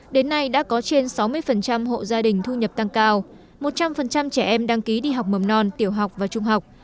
đến nay đã có trên sáu mươi hộ gia đình thu nhập tăng cao một trăm linh trẻ em đăng ký đi học mầm non tiểu học và trung học